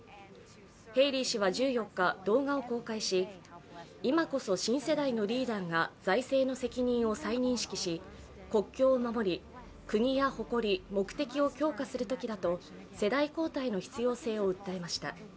ヘイリー氏は１４日、動画を公開し今こそ新世代のリーダーが財政の責任を再認識し国境を守り、国や誇り、目的を強化する時だと世代交代の必要性を訴えました。